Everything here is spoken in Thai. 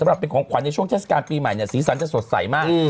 รับเป็นของขวัญในช่วงเทศกาลปีใหม่เนี่ยสีสันจะสดใสมาก